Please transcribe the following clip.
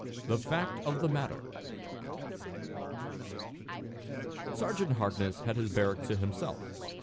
XV THE FACT OF THE MATTER Sergeant Harkness had his barracks to himself.